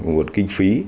nguồn kinh phí